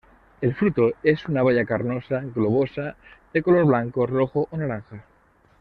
El fruto es una baya carnosa, globosa; de color blanco, rojo o naranja.